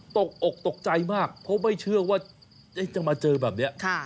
ตกอกตกใจมากเพราะไม่เชื่อว่าจะมาเจอแบบนี้